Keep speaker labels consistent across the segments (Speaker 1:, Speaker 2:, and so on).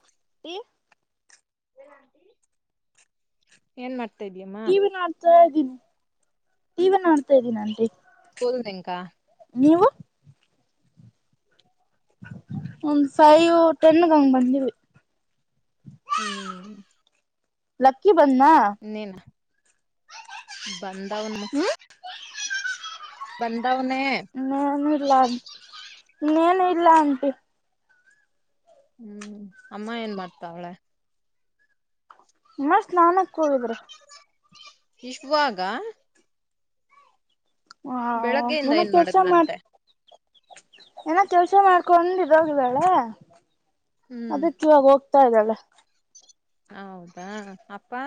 Speaker 1: [unintelligible]
Speaker 2: ಏನ್ ಮಾಡ್ತಾ ಇದ್ಯಮ್ಮ.
Speaker 1: ತಗಿ ಟಿವಿ ನಡ್ತಾ ಇದ್ದೀನಿ ಅಂಟಿ.
Speaker 2: [unintelligible]
Speaker 1: ನೀವು ಒಂದ್ ಫೈವ್ ಟೆನ್ಗೆ ಹಂಗ ಬಂದಿವಿ.
Speaker 2: ಹ್ಮ್
Speaker 1: ಲಕ್ಕಿ ಬಂದ್ನಾ.
Speaker 2: ನೀನಾ ಬಂದ ಅವ್ನ.
Speaker 1: ಹ್ಮ್
Speaker 2: ಬಂದವ್ನೆ.
Speaker 1: ನೇನು ಇಲ್ಲ ಇನೇನು ಇಲ್ಲ ಆಂಟಿ.
Speaker 2: ಹ್ಮ್ ಅಮ್ಮ ಏನ್ ಮಾಡ್ತವ್ಳೆ.
Speaker 1: ಅಮ್ಮ ಸ್ನಾನಕೋದ್ರು.
Speaker 2: ಇಷ್ಟ್ ಬೇಗ.
Speaker 1: ಹಾ
Speaker 2: ಬೆಳಗ್ಗೆಯಿಂದ
Speaker 1: ಏನ
Speaker 2: ಏನ್
Speaker 1: ಕೆಲ್ಸ ಮಾಡ್.
Speaker 2: ಮಾಡದ್ಲಂತೆ
Speaker 1: ಏನ ಕೆಲ್ಸ ಮಾಡ್ಕೊಂಡ್ ಇದಾಗಿದಳೆ.
Speaker 2: ಹ್ಮ್
Speaker 1: ಅದಕ್ಕೆ ಇವಾಗ್ ಹೋಗ್ತಾ ಇದ್ದಾಳೆ.
Speaker 2: ಹೌದಾ ಅಪ್ಪಾ.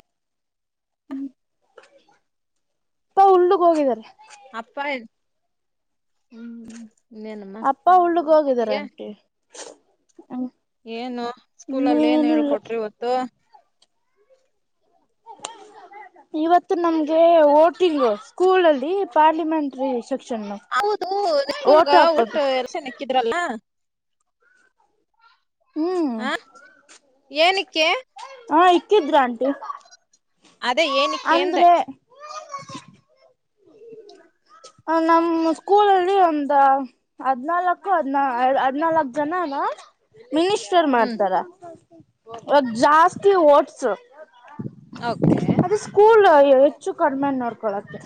Speaker 1: ಉಲ್ಲುಗ್ ಹೋಗಿದದ್ದಾರೆ.
Speaker 2: ಅಪ್ಪ [inaudible] ಹ್ಮ್ ಹ್ಮ್.
Speaker 1: ಅಪ್ಪ ಉಳ್ಳುಗೋಗಿದಾರೆ ಆಂಟಿ.
Speaker 2: ಏನು ಸ್ಕೂಲಲ್ ಏನ್
Speaker 1: ಇನ್ನೇನು ಇಲ್ಲ
Speaker 2: ಹೇಳ್ಕೊಟ್ರು ಇವತ್ತು.
Speaker 1: ಇವತ್ತು ನಮ್ಗೆ ಓಟಿಂಗು ಸ್ಕೂಲಲ್ಲಿ ಪಾರ್ಲಿಮೆಂಟ್ರಿ ಸೆಕ್ಷನ್ನು
Speaker 2: ಹೌದು
Speaker 1: ಓಟ
Speaker 2: ಸ್ಕೂಲ್ಗ
Speaker 1: ಹಾಕೋದು
Speaker 2: ಒಟ್ಟು ಎರ್ಸನಕ್ಕಿದ್ರಲ್ಲ.
Speaker 1: ಹ್ಮ್
Speaker 2: ಹಾ ಏನಿಕ್ಕೆ.
Speaker 1: ಹಾ ಇಕ್ಕಿದ್ರಂಟಿ.
Speaker 2: ಅದೇ ಏನಿಕ್ಕೆ ಅಂದೇ.
Speaker 1: ಹ ನಮ್ ಸ್ಕೂಲಲ್ಲಿ ಒಂದಾ. ಹದ್ನಾಲ್ಕು ಹದ್ನಾ ಹದ್ನಾಲಕ್ ಜನನಾ ನಿಲುಶ್. [unintelligible]
Speaker 2: ಹ್ಮ್
Speaker 1: ಮಾಡ್ತಾರ ಒಬ್ ಜಾಸ್ತಿ ವೋಟ್ಸು.
Speaker 2: ಓಕೆ.
Speaker 1: ಸ್ಕೂಲೂ ಹೇ ಹೆಚ್ಚು ಕಡ್ಮೆ ನೋಡ್ಕೊಲಕ್ಕೆ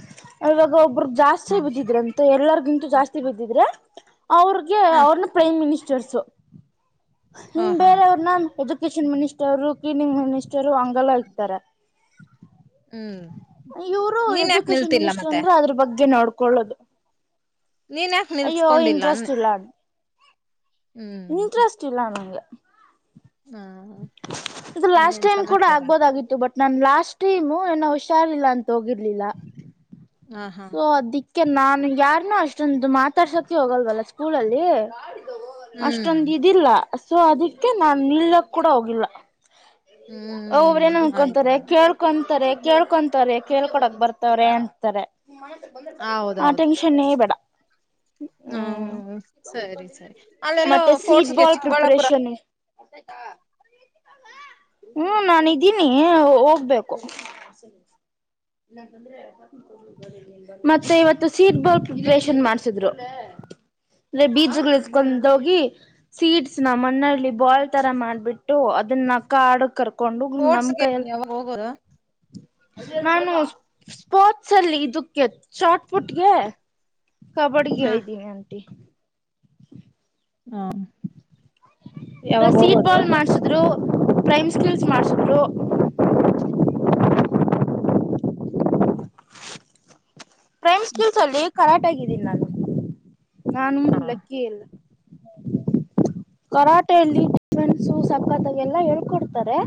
Speaker 1: ಇವಾಗ ಒಬ್ಬ್ರ ಜಾಸ್ತಿ
Speaker 2: ಹ
Speaker 1: ಬಿದ್ದಿದ್ರಂ ತೋ ಎಲ್ಲಾರ್ಗಿಂತೂ ಜಾಸ್ತಿ ಬಿದ್ದಿದ್ರೆ ಅವ್ರ್ಗೆ.
Speaker 2: ಹ.
Speaker 1: ಪ್ರೈಮ್ ಮಿನಿಸ್ಟರ್ಸು
Speaker 2: ಹ
Speaker 1: ಇನ್
Speaker 2: ಹಾ
Speaker 1: ಬೇರೆವ್ರ್ನ ಎಜುಕೆಷನ್ ಮಿನಿಸ್ ಸ್ಟರು ಕಿನಿಂಗ್ ಮಿನಿಸ್ಟರು ಹಂಗೆಲ್ಲ ಇಕ್ತರೆ.
Speaker 2: ಹ್ಮ್
Speaker 1: ಇವ್ರು
Speaker 2: ನೀನ್ ಯಾಕ
Speaker 1: ಎಜುಕೇಶನ್
Speaker 2: ನಿಲ್ತಿಲ್ಲ ಮತ್ತೆ
Speaker 1: ಮಿನಿಸ್ಟ್ರಂದ್ರೆ ಅದ್ರು ಬಗ್ಗೆ ನೋಡ್ ಕೊಳ್ಳೋದು.
Speaker 2: ನೀನ್ ಯಾಕಕ್ ನಿಲ್ಸ್ಕೊಂಡಿಲ್ಲ
Speaker 1: ಇಂಟ್ರೆಸ್ಟ್
Speaker 2: ಅಂದೆ.
Speaker 1: ಇಲ್ಲ ಇಂಟ್ರೆಸ್ಟ್ ಇಲ್ಲ ನಂಗೆ.
Speaker 2: ಹಾ
Speaker 1: ಇದು ಲಾಸ್ಟ್
Speaker 2: ಇನ್ನೇನ್
Speaker 1: ಟೈಮ್ ಕೂಡ
Speaker 2: ಸಮಾಚಾರ
Speaker 1: ಆಗ್ಬೋದಾಗಿತ್ತು ಬಟ್. ನನ್ ಲಾಸ್ಟ್ ಟೈಮು ಏನೋ ಊಷಾರಿಲ್ಲ ಅಂತ ಹೋಗಿರ್ಲಿಲ್ಲ.
Speaker 2: ಹಾ ಹಾ.
Speaker 1: ಅದಿಕ್ಕೆ ನನು ಯಾರ್ನು ಅಷ್ಟೊಂದು ಮಾತಾಡ್ಸೋಕೆ ಹೋಗಲ್ವಲ್ಲ ಸ್ಕೂಲಲ್ಲಿ.
Speaker 2: ಹ್ಮ್
Speaker 1: ಅಷ್ಟೊಂದ್ ಇದಿಲ್ಲ ಸೊ ಅದಿಕ್ಕೆ ನಾನ್ ನಿಲ್ಲಕ್ ಕೂಡ ಹೋಗಿಲ್ಲ. ಒಬೊಬ್ರ್
Speaker 2: ಹ್ಮ್
Speaker 1: ಏನೋ ಅನ್ಕೊಂತಾರೆ
Speaker 2: ಆಯ್ತಾಯ್ತು
Speaker 1: ಕೇಳ್ ಕೊಂತರೆ ಕೇಳ್ಕೊಂತರೆ ಕೇಳ್ಕೊಡಕ್ ಬರ್ತರೆ ಅಂತರೆ. ಆ ಟೆನ್ಷನ್ನು ಬೇಡ.
Speaker 2: ಹಾ
Speaker 1: ಹ್ಮ್
Speaker 2: ಸರಿ ಸರಿ ಅಲ್ಲೆಲ್ಲೋ
Speaker 1: ಮತ್ತೆ ಸೀಟ್
Speaker 2: ಪೋಟ್ಸಗೆ
Speaker 1: ಬಾಲ್
Speaker 2: ಚಿಕ್ಬಳ್ಳಾಪುರ.
Speaker 1: [unintelligible] [inaudible] ಹೂ ನಾನಿದಿನಿ ಹೂ ಹೋಗ್ಬೇಕು. [inaudible] ಮತ್ತೆ ಇವತ್ತು ಸೀಟ್ ಬಲ್ಟ್ ಪ್ರಿಪರೇಷನ್ ಮಾಡ್ಸಿದ್ರು. ಇಲ್ಲೆ ಬೀಜಗಳಿಸ್ಕೊಂಡೋಗಿ. ಸೀಡ್ಸ್ ನ ಮನಲ್ಲಿ ಬಾಲ್ ತರ ಮಾಡ್ಬಿಟ್ಟು ಅದುನ್ನ ಕಾಡುಗ್ ಕರ್.
Speaker 2: ಸ್ಪೋರ್ಟ್ಸ್ಗೆ ಯಾವಾಗ ಹೋಗೋರೊ.
Speaker 1: ನಾನು ಸ್ಪೋರ್ಟ್ಸ್ ಅಲ್ಲಿ ಇದಕ್ಕೆ ಚಾರ್ಟ್ ಪುಟ್ಗೆ ಕಬ್ಬಡಿಗೆ
Speaker 2: ಹಾ
Speaker 1: ಐದ್ದೀನಿ ಆಂಟಿ.
Speaker 2: ಹಾ
Speaker 1: [unintelligible] ಸೀಡ್ ಬಾಲ್ ಮಾಡ್ಸಿದ್ರು ಪ್ರೈಮ್ ಸ್ಕೀಲ್ಸ್ ಮಾಡ್ಸಿದ್ರು
Speaker 2: [inaudible]
Speaker 1: ಪ್ರೈಮ್ ಸ್ಕಿಲ್ಸಾಲಿ ಕರಾಟೆಗೆ ಇದ್ದೀನಿ ನಾನು ನಾನು
Speaker 2: ಹ
Speaker 1: ಲಕ್ಕಿ ಎಲ್ಲ. ಕರಾಟೆಯಲ್ಲಿ ಡಿಫೆನ್ಸ್ ಸಕ್ಕತ್ತಾಗಿ ಎಲ್ಲಾ ಹೇಳ್ಕೊಡ್ತಾರೆ.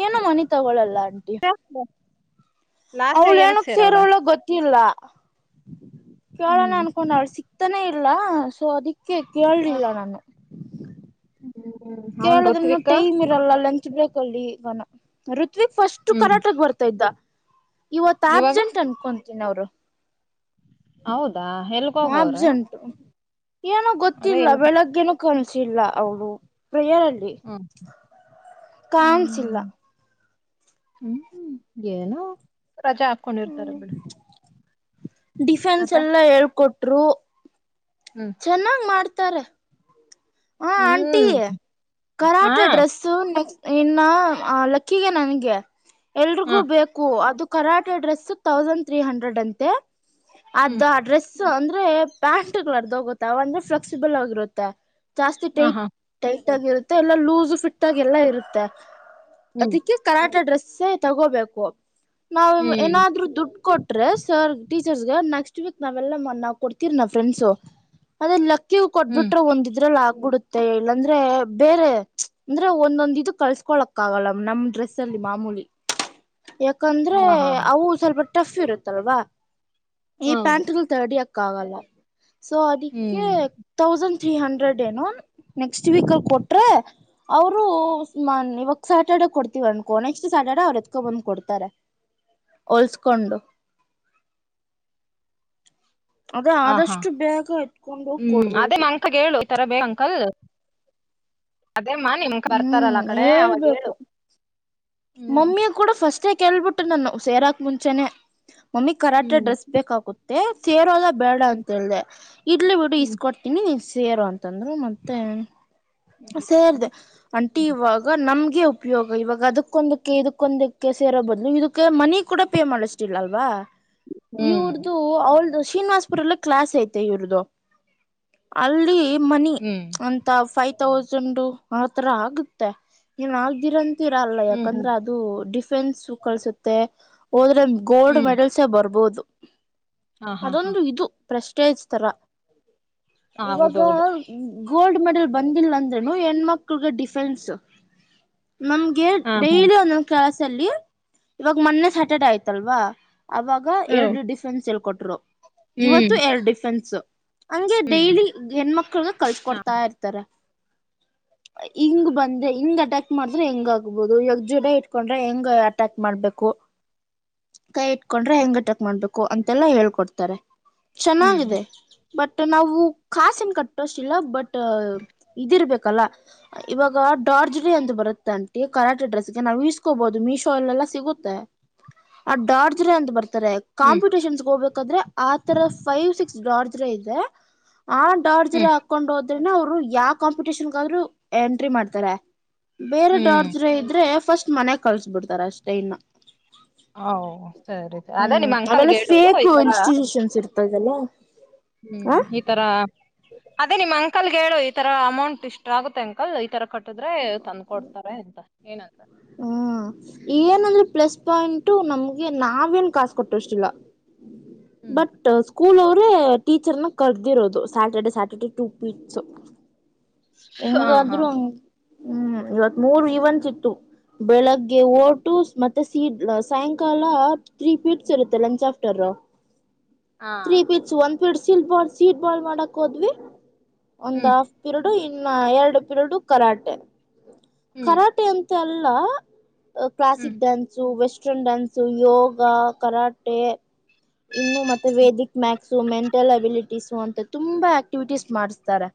Speaker 1: ಏನು ಮನೀ ತಗೊಳಲ್ಲ ಆಂಟಿ.
Speaker 2: [unintelligible]
Speaker 1: ಅವ್ಳು
Speaker 2: ಏನಕ್
Speaker 1: ಏನುಕ್
Speaker 2: ಸೇರವಳ
Speaker 1: ಸೇರವ್ಲೋ ಗೊತ್ ತ್ತಿಲ್ಲ ಕೇಳಣ
Speaker 2: ಹ್ಮ್
Speaker 1: ಅನ್ಕೊಂಡ ಅವಳ ಸಿಕ್ತಾನೆ ಇಲ್ಲ ಸೊ ಅದಿಕ್ ಕೇ ಕೇಳಲಿಲ್ಲ ನಾನು.
Speaker 2: [unintelligible]
Speaker 1: ಕೇಳೋದನ್ನು
Speaker 2: ಋತ್ವಿಕ್
Speaker 1: ಟೈಮ್ ಎಲ್ಲ ಲಂಚ್ ಬ್ರೇಕಲ್ಲಿ [unintelligible] ಋತ್ವಿಕ್ ಫಸ್ಟ್
Speaker 2: ಹ್ಮ್
Speaker 1: ಕರಾಟಕ್ ಬರ್ತಾ ಇದ್ದ. ಇವತ್ತು
Speaker 2: ಇವಾಗ
Speaker 1: ಆಬ್ಸೆಂಟ್ ಅನ್ಕೊತೀನಿ ಅವ್ರು.
Speaker 2: ಹೌದಾ ಎಲ್ಗೋಗವ್ರೆ.
Speaker 1: ಆಬ್ಸೆಂಟ್ ಏನೋ ಗೊತ್ತಿಲ್ಲ ಬೆಳಗ್ಗೆೇನ ಕನಸಿಲ್ಲ ಅವರು ಪ್ರೇಯಲ್ಲಿ
Speaker 2: ಹ್ಮ್
Speaker 1: [unintelligible] ಕಾಣಿಸಿಲ್ಲ.
Speaker 2: ಹ್ಮ್ ಹ್ಮ್ ಏನೋ ರಜಾ ಹಾಕೊಂಡಿರ್ತಾರ ಬಿಡ್.
Speaker 1: ಡಿಫೆನ್ಸ್ ಎಲ್ಲ ಹೇಳ್ಕೊಟ್ರು.
Speaker 2: ಹ್ಮ್
Speaker 1: ಚೆನ್ನಾಗ್ ಮಾಡ್ತಾರೆ ಹ ಆಂಟಿ
Speaker 2: ಹ್ಮ್ ಹಾ
Speaker 1: ಕರಾಟೆ ಡ್ರೆಸ್ [unintelligible] ನೆಕ್ಸ್ಟ್ ಇನ್ನ ಲಕ್ಕಿಗೆ ನನ್ಗೆ
Speaker 2: ಹಾ
Speaker 1: ಎಲ್ರಿಗೂ ಬೇಕ್ ಕು ಅದು karate address thousand three hundred ಅಂತೆ
Speaker 2: ಹ್ಮ್
Speaker 1: ಅದು ಅಡ್ರೆಸ್ ಸೊ ಅಂದ್ರೆ ಪ [unintelligible] ಕಲರ್ದು ಹೋಗುತ್ತ ಅವ ಅಂದ್ರೆ ಫ್ಲೆಕ್ಸಿಬಲ್ ಆಗಿರುತ್ತೆ ಜಾಸ್ತಿ
Speaker 2: ಹ
Speaker 1: ಟೈಟ್
Speaker 2: ಹಾ
Speaker 1: ಟೈಟ್ ಆಗಿ ಇರುತ್ತೆ ಎಲ್ಲ ಲೂಸ್ ಫಿಟ್ ಆಗಿ ಎಲ್ಲ ಇರುತ್ತೆ
Speaker 2: ಹ್ಮ್
Speaker 1: ಅದಕ್ಕೆ. ಕರಾಟ ಡ್ರೆಸ್ಸ ತಗೋಬೇಕು ನಾವು
Speaker 2: ಹ್ಮ್
Speaker 1: ಏನಾದ್ ದುಡ್ಡು ಕೋಟ್ ಡ್ರೆಸ್ ಆರ್ ಟೀಚರ್ಸ್ಗ ನೆಕ್ಸ್ಟ್ ವೀಕ್ ನಾವೆಲ್ಲಾ ನಾ ಕೊಡ್ತಿರಿ ನಾವ್ ಫ್ರೆಂಡ್ಸು. ಅದೇ ಲಕ್ಕಿ
Speaker 2: ಹ್ಮ್
Speaker 1: ಕೊಟ್ಬಿಟ್ರೆ ಒಂದ ಇದ್ರಲ್ಲಿ ಆಗ್ಬಿಡುತ್ತೆ ಇಲ್ಲಂದ್ರೆ ಬೇರೆ ಅಂದ್ರೆ ಒಂದೊಂದ ಇದ ಕಳಿಸಿಕೊಳ್ಳಕ್ ಆಗಲ್ಲ ನಮ್ ಡ್ರೆಸ್ ಅಲ್ಲಿ ಮಾಮೂಲಿ. ಯಾಕಂದ್ರೆ
Speaker 2: ಹಾ ಹಾ ಹಾ
Speaker 1: ಅವು ಸ್ವಲ್ಪ ಟಫ್ ಇರುತ್ತಲ್ವಾ ಈ
Speaker 2: ಹೌದು
Speaker 1: ಪ್ಯಾಂಟ್ [unintelligible] ಅಕ್ಕ ಆಗಲ್ಲ ಸೊ ಅದಕ್ಕೆ
Speaker 2: ಹ್ಮ್
Speaker 1: ತೌಸಂಡ್ ತ್ರೀ ಹಂಡ್ರೆಡ್ ಡ್ ಏನು ನೆಕ್ಸ್ಟ್ ವೀಕ್ ಅಲ್ಲಿ ಕೊಟ್ರೆ ಅವ್ರು [unintelligible] ಸಟರ್ಡೆ ಕೊಡ್ತೀವ ಅನ್ಕೋ ನೆಕ್ಸ್ಟ್ ಸಟರ್ಡೆ ಅವ್ರು ಎತ್ಕೊ ಬಂದ್ ಕೊಡ್ತಾರೆ.
Speaker 2: [inaudible]
Speaker 1: ಹೋಲ್ಸ್ಕೊಂಡು. ಅದೇ
Speaker 2: ಹಾ ಹಾ
Speaker 1: ಆದಷ್ಟು ಬೇಗ ಎತ್ಕೊಂಡ್ ಹೋಗಿ
Speaker 2: ಹ್ಮ್ ಅದೇ [unintelligible]
Speaker 1: ಕೊಡ್ಬೇಕು
Speaker 2: ಅಂಕಗ ಹೇಳು ತರ ಬಬೇಕ್ ಅಂಕಲ್ ಅದೇಮ್ಮ ನಿಮ
Speaker 1: ಹ್ಮ್
Speaker 2: ಬರ್ತಾರಲ್ಲ ಆ ಕಡೆ ಅವಾಗ ಹೇಳು.
Speaker 1: ಹೇಳ್ಬೇಕು
Speaker 2: ಹ್ಮ್
Speaker 1: ಮಮ್ಮಿ ಕೂಡ ಫಸ್ಟೇ ಕೇಳ್ಬಿಟ್ಟು ನಾನು ಸೇರಾಕ್ ಮುಂಚೆನೆ ಮಮ್ಮಿ ಕರಾಟೆ
Speaker 2: ಹ್ಮ್
Speaker 1: ಡ್ರೆಸ್ ಬೇಕಾಗುತ್ತೆ ಸೇರೋಲ್ಲ ಬೇಡ
Speaker 2: ಹ್ಮ್
Speaker 1: ಅಂತ ಹೇಳ್ದೆ ಇಡ್ಲಿ ಬಿಡು
Speaker 2: ಹ್ಮ್
Speaker 1: ಇಸ್ಕೊಟ್ಟ ತಿನಿ ಸೇರು ಅಂತಂದ್ರರು ಮತ್ತೆ
Speaker 2: ಹ್ಮ್
Speaker 1: ಸೇರ್ದೆ ಅಂಟಿ ಇವಾಗ ನಮ್ಗೆ ಉಪಯೋಗ ಇವಾಗ ಅದಕ್ ಕ್ಕೊಂದಕ್ಕೆ ಇದಕ್ಕೊಂದಕ್ಕೆ ಸೇರೋ ಬದ್ಲು ಇದಕ್ಕೆ ಮನಿ ಕೂಡ ಪೇ ಮಾಡಷ್ಟಿಲ್ಲ ಅಲ್ವಾ. ಇರ್ದು ಇ ಅವ್ಳದು ಶ್ರೀನಿವಾಸಪುರಲ್ಲ ಕ್ಲಾಸ್ ಐತೆ ಇವ್ರ್ದ ಅಲ್ಲಿ ಮನಿ
Speaker 2: ಹ್ಮ್
Speaker 1: ಅಂತ ಫೈವ್ ತೌಸಂಡ್ ಆ ತರ ಆಗುತ್ತೆ ಏನ್ ಆಗ್ದಿರಂತೂ ಇರಲ್ಲಾ
Speaker 2: ಹ್ಮ್
Speaker 1: ಯಾಕಂದ್ರೆ
Speaker 2: ಹ್ಮ್
Speaker 1: ಅದು ಇದು ಡಿಫೆನ್ಸ್ ಕಳಸುತ್ತೆ ಹೋದ್ರೆ ಗೋಲ್ಡ್
Speaker 2: ಹ್ಮ್
Speaker 1: ಮೆಡಲ್ಸೇ ಬರ್ಬೋದು.
Speaker 2: ಹಾ ಹಾ ಹಾ
Speaker 1: ಅದೊಂದು ಇದು ಪ್ರಸ್ಟೇಜ್ ತರ ಇವಾಗ.
Speaker 2: ಹೌದೌದು
Speaker 1: ಗೋಲ್ಡ್ ಮೆಡಲ್ ಬಂದಿಲ್ಲ ಅಂದ್ರೆನು ಹೆಣ ಮಕ್ಳಗ ಡಿಫೆನ್ಸ್ ನಮ್ಗೆ
Speaker 2: ಹಾ ಹಾ
Speaker 1: ಡೈಲಿ ಒಂದೊದ ಕೆಲಸಲ್ಲಿ ಇವಾಗ ಮೊನ್ನೆ ಸ್ಯಾಟರ್ಡೆ ಆಯ್ತಲ್ವಾ ಅವಾಗ ಆಗ
Speaker 2: ಹ್ಮ್
Speaker 1: ಎರಡು ಡಿಫೆನ್ಸ್ ಎಳ್ಕೊಟ್ರು ಇವತ್ತು
Speaker 2: ಹ್ಮ್
Speaker 1: ಎರಡು ಡಿಫೆನ್ಸ್ ಹಂಗೆ
Speaker 2: ಹ್ಮ್
Speaker 1: ಡೈಲಿ ಹೆಣ್ಮಕ್ಳ
Speaker 2: ಹಾ
Speaker 1: ಕಳ್ಸಕೊಡ್ತಾ ಇರ್ತ ತಾರೇ ಹಿಂಗ ಬಂದ್ರೆ ಹಿಂಗ್ ಅಟ್ಯಾಕ್ ಮಾಡಿದ್ರೆ ಹೆಂಗ ಆಗತ್ತ ಆಗಬಹುದು ಇವಾಗ ಜೂಡ ಇಟ್ಕೊಂಡ್ರೆ ಹೆಂಗ್ ಅಟ್ಯಾಕ್ ಮಾಡ್ಬೇಕು. ಕೈ ಇಟ್ಕೊಂಡ್ರೆ ಹೆಂಗ ಅಟ್ಯಾಕ ಮಾಡ್ಬೇಕು ಅಂತೆಲ್ಲಾ ಹೇಳ್ಕೊಡ್ತಾರೆ.
Speaker 2: ಹ್ಮ್
Speaker 1: ಚೆನ್ನಾಗಿದೆ ಬಟ್ ನಾವು ಕಾಸೆನ್ ಕಟ್ಟೋಷ್ಟಿಲ್ಲ ಬಟ್ ಇದಿರ್ಬೇಕಲ್ಲ ಇವಾಗ ಡಾರ್ಜ್ ಡೇ ಅಂದು ಬರುತ್ತೆ ಅಂತ ಕರೆಕ್ಟ್ ಅಡ್ರೆಸ್ಗೆ ನಾವು ಈ ಇಸ್ಕೋಬಹುದು ಮೀಶೋ ಅಲ್ಲೆಲ್ಲಾ ಸಿಗುತ್ತೆ. ಆ ಡಾರ್ಜ್ರೆ ಅಂತ ಬರ್ತಾರೆ.
Speaker 2: ಹ್ಮ್
Speaker 1: ಕಾಂಪಿಟಿಷನ್ಸ್ ಹೋಗಬೇಕಾದ್ರೆ ಆತರ ಫೈವ್ ಸಿಕ್ಸ್ ಡಾರ್ಜ್ರ ಇದೆ. ಆ ಡಾರ್ಜರ್
Speaker 2: ಹ್ಮ್
Speaker 1: ಹಾಕೊಂಡ್ ಹೋದ್ರೆನ ಅವ್ರು ಯಾವ ಕಾಂಪಿಟೇಷನ್ಗ ಆದ್ರು ಎಂಟ್ರಿ ಮಾಡ್ತಾರೆ. ಬೇರೆ
Speaker 2: ಹ್ಮ್
Speaker 1: ಡಾರ್ಜ್ರ ಇದ್ರೆ ಫಸ್ಟ್ ಮನೆ ಕಲ್ಸ್ ಬಿಡ್ತಾರ ಅಷ್ಟೇ ಇನ್ನ
Speaker 2: ಹ ಸರಿ ಸರಿ ತೊಗೊ ಅದೇ
Speaker 1: ಹ್ಮ್
Speaker 2: ನಿಮ್ಮ್ ಅಂಕಲ್ಗೆ ಹೇಳು ಈತರ
Speaker 1: ಪ್ಪಾಗಲ್ಲ
Speaker 2: ಹ್ಮ್ ಹಿ ತರ ಅದೇ ನಿಮ್ ಅಂಕಲ್ಗೆ ಹೇಳು ಈ ತರ ಅಮೌಂಟ್ ಇಷ್ಟ ಆಗುತ್ತೆ ಅಂಕಲ್ ಈ ತರ ಕಟ್ಟ ಕಟ್ಟಿದ್ರೆ ತಂದ ಕೊಡ್ತಾರೆ ಅಂತ ಏನಂತ
Speaker 1: ಹ್ಮ ಏನಂದ್ರೆ ಪ್ಲಸ್ ಪಾಯಿಂಟ್ ನಮ್ಗೆ ನಾವೇನ್ ಕಾಸ ಕಟ್ಟುಷ್ಟಿಲ್ಲ
Speaker 2: ಹ್ಮ್
Speaker 1: ಬಟ್ ಸ್ಕೂಲ್ ಅವ್ರ ಟೀಚರ್ನ ಕರ್ದಿರೋದು ಸ್ಯಾಟರ್ಡೆ ಸ್ಯಾಟರ್ಡೆ ಟು ಪೀಟ್ಸ್
Speaker 2: ಹಾ ಹಾ
Speaker 1: ಹೆಂಗಾದ್ರು ಹಂಗ್ ಹ್ಮ್ ಇವತ್ ಮೂರು ಇವನ್ತ್ ಇತ್ತು ಬೆಳಗ್ಗೆ ಓಟು ಮತ್ತೆ ಸೀಡ್ ಸಾಯಂಕಾಲ ತ್ರೀ ಪೀಟ್ಸ್ ಇರುತ್ತೆ ಲಂಚ್ ಆಫ್ಟರ್.
Speaker 2: ಹಾ
Speaker 1: ತ್ರೀ ಪೀಟ್ಸ್ ಒಂದ್ ಪೀಡ್ ಸೀಟ್ ಬಾಲ್ ಸೀಟ್ ಬಾಲ್ ಮಾಡಕ್ ಹೋದ್ವಿ ಒಂದ
Speaker 2: ಹ್ಮ್
Speaker 1: ಹಾಫ್ ಪಿರಡು ಇನ್ನ ಎರಡು ಪಿರಡು ಕರಾಟೆ
Speaker 2: ಹ್ಮ್
Speaker 1: ಕರಾಟೆ ಅಂತ ತ್ ಅಲ್ಲ
Speaker 2: ಹ್ಮ್
Speaker 1: classic dance western dance yoga karate ಇನ್ನು ಮತ್ತೆ ವೇದಿಕ್ ಮ್ಯಾಕ್ ಸೊ ಮೆಂಟಲ್ ಅಬಿಲಿಟೀಸು ಅಂತ ತುಂಬಾ ಆಕ್ಟಿವಿಟೀಸ್ ಮಾಡ್ಸ್ತಾರೆ.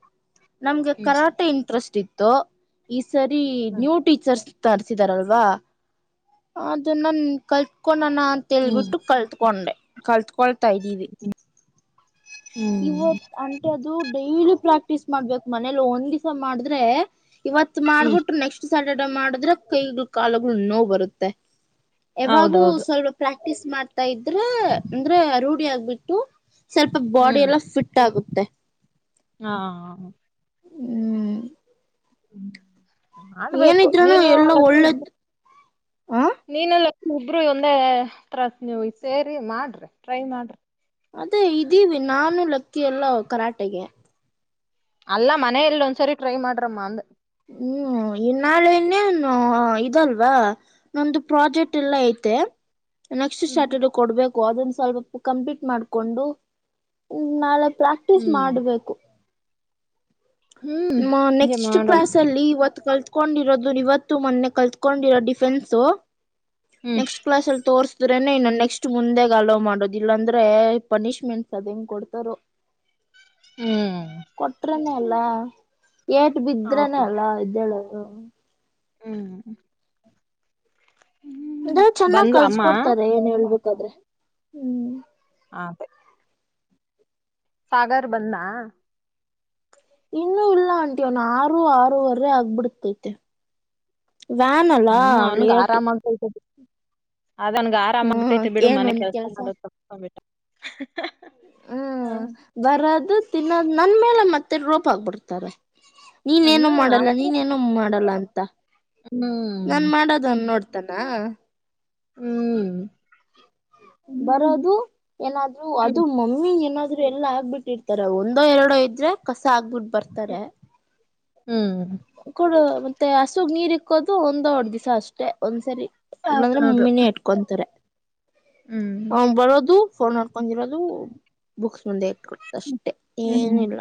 Speaker 1: ನಮ್ಗೆ
Speaker 2: ಹ್ಮ್
Speaker 1: ಕರಾಟೆ ಇಂಟ್ರೆಸ್ಟ್ ಇತ್ತು ಈ ಸರಿ
Speaker 2: ಹ್ಮ್
Speaker 1: ನ್ಯೂ ಟೀಚರ್ಸ್ ತರ್ಸಿದಾರಲ್ವಾ ಅದನ್ನ ಕಲ್ತೊಳನ್ನ ಅಂತಾ
Speaker 2: ಹ್ಮ್
Speaker 1: ತಿಲ್ಬಿಟ್ಟು ಕಲ್ತ್ಕೊಂಡೆ ಕಲ್ತ್ಕೊಳ್ತಾ ಇದ್ದೀವಿ.
Speaker 2: ಹ್ಮ್
Speaker 1: ಇವತ್ತ ಅಂಟೆ ಅದು ಡೈಲಿ ಪ್ರಾಕ್ಟೀಸ್ ಮಾಡ್ಬೇಕು ಮನೇಲಿ ಒಂದ್ ದಿಸಾ ಮಾಡಿದ್ರೆ ಇವತ್ತ
Speaker 2: ಹ್ಮ್
Speaker 1: ಮಾಡ್ಬಿಟ್ಟು ನೆಕ್ಸ್ಟ್ ಸ್ಯಾಟರ್ಡೆ ಮಾಡಿದ್ರೆ ಕೈಗಳು ಕಾಲಗಳು ನೋವ ಬರುತ್ತೆ. ಯಾವಾಗೂ
Speaker 2: ಹೌದೌದು
Speaker 1: ಸ್ವಲ್ಪ ಪ್ರಾಕ್ಟೀಸ್ ಮಾಡ್ತಾ ಇದ್ರೆ ಅಂದ್ರೆ ರೂಢಿ ಆಗ್ಬಿಟ್ಟು ಸ್ವಲ್ಪ ಬಾಡಿ
Speaker 2: ಹ್ಮ್
Speaker 1: ಎಲ್ಲ ಫಿಟ್ ಆಗುತ್ತೆ.
Speaker 2: ಹಾ.
Speaker 1: ಹ್ಮ್.
Speaker 2: ಹ್ಮ ಮಾಡ್ಬೇಕು
Speaker 1: ಏನಿದ್ರೂನು
Speaker 2: ನೀನು
Speaker 1: ಎಲ್ಲ
Speaker 2: ಅವ
Speaker 1: ಒಳ್ಳೇದ್
Speaker 2: [inaudible] ನೀನಲ್ಲ ಇಬ್ರು ಒಂದೇ [unintelligible] ನೀವು ಸೇರಿ ಮಾಡ್ರಿ ಟ್ರೈ ಮಾಡ್ರಿ.
Speaker 1: ಅದೇ ಇದೀವಿ ನಾನು ಲಕ್ಕಿ ಎಲ್ಲ ಕರಾಟೆಗೆ.
Speaker 2: ಅಲ್ಲ ಮನೆಯಲ್ಲಿ ಒಂದ್ಸರಿ ಟ್ರೈ ಮಾಡ್ರಮ್ಮ ಅಂದೆ.
Speaker 1: ಹ್ಮ್ ಈ [unintelligible] ಇನ್ನೇನು ಇದಲ್ವಾ. ನಂದು ಪ್ರಾಜೆಕ್ಟ್ ಇಲ್ಲೆ ಐತೆ ನೆಕ್ಸ್ಟ್
Speaker 2: ಹ್ಮ್
Speaker 1: ಸ್ಯಾಟರ್ಡೆ ಕೊಡ್ಬೇಕು ಅದನ್ನ ಸ್ವಲ್ಪ ಕಂಪ್ಲೀಟ್ ಮಾಡ್ಕೊಂಡು ನಾಲ್ಕ ಪ್ರಾಕ್ಟೀಸ್
Speaker 2: ಹ್ಮ್
Speaker 1: ಮಾಡ್ಬೇಕು. ಮ
Speaker 2: ಹ್ಮ್
Speaker 1: ನೆಕ್ಸ್ಟ್
Speaker 2: ಮಾಡಮ್
Speaker 1: ಕ್ಲಾಸ್. ಲ್ಲಿ ಇವತ್ತು ಕಲ್ತ್ಕೊಂಡಿರೋದು ಇವತ್ತು ಮೊನ್ನೆ ಕಲ್ತ್ಕೊಂಡಿರೋ ಡಿಫೆನ್ಸ್.
Speaker 2: ಹ್ಮ್
Speaker 1: ನೆಕ್ಸ್ಟ್ ಕ್ಲಾಸಲ್ಲಿ ತೋರಿಸ ಇದ್ರೇನೆ ಇನ್ನು ನೆಕ್ಸ್ಟ್ ಮುಂದೆಗ ಅಲೋ ಮಾಡೋದ ಇಲ್ಲಾಂದ್ರೆ ಪನಿಶ್ಮೆಂಟ್ಸ್ ಅದ ಹೆಂಗ್ ಕೊಡ್ತಾರೊ.
Speaker 2: ಹ್ಮ್
Speaker 1: ಕೊಟ್ರನೆೇ ಅಲ್ಲ ಏಟ್ ಬಿದ್ರನೆೇ
Speaker 2: ಹೌದು
Speaker 1: ಅಲ್ಲ ಏದ್ದೇಳೋದು.
Speaker 2: ಹ್ಮ್ ಹ್ಮ್
Speaker 1: ಅಂದ್ರ ಚೆನ್ನಾಗ್
Speaker 2: ಬಂದ್ಲ ಅಮ್ಮ
Speaker 1: ಕಲ್ಸ್ಕೊಡ್ತಾರೆ ಏನ್ ಹೇಳ್ಬೇಕಾದ್ರೆ ಹ್ಮ್.
Speaker 2: [inaudible] ಸಾಗರ್ ಬಂದ್ನಾ.
Speaker 1: ಇನ್ನು ಇಲ್ಲ ಆಂಟಿ ಅವನ್ ಆರು ಆರೂವರೆ ಆಗ್ಬಿಡ್ತೈತೆ. ವ್ಯಾನ್ ಅಲ್ಲಾ ಲೇಟು.
Speaker 2: ಅದನ್ಗೆ ಆರಾಮ
Speaker 1: ಹ್ಮ
Speaker 2: ಆಗ್ತೈತೆ ಬಿಡು
Speaker 1: ಏನ್
Speaker 2: ಮನೆ
Speaker 1: ಒಂದ್
Speaker 2: ಕೆಲ್ಸ ಮಾಡೋದು. ಹೇ ಹ್ಮ್
Speaker 1: ಬರೋದು ತಿನ್ನೋದು ನನ್ ಮೇಲೆ ಮತ್ತೆ ರೋಪ ಆಗ್ಬಿಡ್ತಾರೆ. ನೀನೇನು ಮಾಡಲ್ಲ ನೀನೇನು. ಹ ಮಾಡಲ್ಲ ಅಂತ ನಾನ್
Speaker 2: ಹ್ಮ್
Speaker 1: ಮಾಡೋದನ ನೋಡ್ತಾನ.
Speaker 2: ಹ್ಮ್ ಹ್ಮ್
Speaker 1: ಬರೋದು. ಏನಾದ್ರು ಅದು ಮಮ್ಮಿ ಏನಾದ್ರು ಎಲ್ಲ ಆಗ್ಬಿಟ್ಟಿರ್ತಾರೆ ಒಂದೋ ಎರಡೋ ಇದ್ರೆ. ಕಸ ಆಗ್ಬಿಟ್ಟು ಬರ್ತಾರೆ.
Speaker 2: ಹ್ಮ್
Speaker 1: ಕೊಡ ಮತ್ತೆ ಹಸುಗ್ ನೀರ್ ಇಕ್ಕೋದು ಒಂದ್ ಎರಡ್ ದಿವಸ ಅಷ್ಟೆ ಒಂದ್ಸರಿ. ಇಲ್ಲಾಂದ್ರೆ
Speaker 2: ಹೌದೌದು
Speaker 1: ಮಮ್ಮಿನೇ ಇಟ್ಕೊಂತಾರೆ
Speaker 2: ಹ್ಮ್
Speaker 1: ಅವ ಬರೋದು. ಫೋನ್ ನೋಡ್ಕೊಂಡಿರೋದು ಬುಕ್ಸ್ ಮುಂದೆ ಇಟ್ಕಡ್ತ ಅಷ್ಟೇ.
Speaker 2: ಹ್ಮ್ ಹ್ಮ
Speaker 1: ಏನಿಲ್ಲ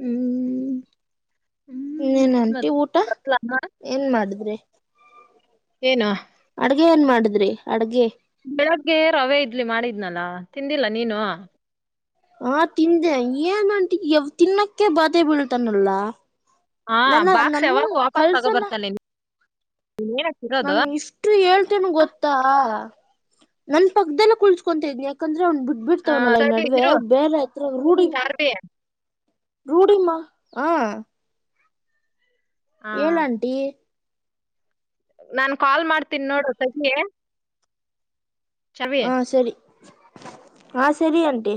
Speaker 2: ಹ್ಮ್ ಹ್ಮ್
Speaker 1: ಇನ್ನೇನು ಆಂಟಿ
Speaker 2: ಮತ್
Speaker 1: ಊಟ ಏನ್ ಮಾಡಿದ್ರಿ.
Speaker 2: ಏನು.
Speaker 1: ಅಡ್ಗೆ ಏನ್ ಮಾಡಿದ್ರಿ ಅಡ್ಗೆ.
Speaker 2: ಬೆಳಗ್ಗೆ ರವೆೇ ಇಡ್ಲಿ ಮಾಡಿದ್ನಲ್ಲ ತಿಂದಿಲ್ಲ ನೀನು.
Speaker 1: ಹಾ ತಿಂದೆ ಏನ ಆಂಟಿ ಯವ್ ತಿನ್ನಕ್ಕೆೆ ಬಾದೆ ಬೀಳ್ತಾನಲ್ಲಾ.
Speaker 2: ಹಾ ಬಾಕ್ಸ್ ಯಾವಾಗ ವಾಪಸ್
Speaker 1: ಕಳ್ಸಲ್ಲ
Speaker 2: ತಗೋಬರ್ತಾನೆ [unintelligible]
Speaker 1: ನಾನ್ ಈಸ್ಟ್. ಇಷ್ಟು ಹೇಳ್ತೇನ ಗೊತ್ತಾ ನನ್ ಪಕ್ಕದೆಲ್ಲ ಕುಳಸ್ಕೊಂತಿನಿ ಯಾಕಂದ್ರೆ ಅವ್ನು ಬಿಟ್ ಬಿಡ್ತಾವನಲ್ಲಾ ಈ
Speaker 2: ಸರಿ
Speaker 1: ನಡುವೆ
Speaker 2: ಇರು
Speaker 1: ಬೇರೆ ಹತ್ರ ರೂಡಿ
Speaker 2: ಚಾರ್ವಿ
Speaker 1: ರೂಡಿ ಮಾ ಹ್ಹಾ.
Speaker 2: ಆ
Speaker 1: ಹೇಳ್ ಆಂಟಿ
Speaker 2: ನಾನ್ ಕಾಲ್ ಮಾಡ್ತೀನಿ ನೋಡು ತಗಿ.
Speaker 1: ಹಾ ಸರಿ ಹಾ ಸರಿ ಅಂಟಿ.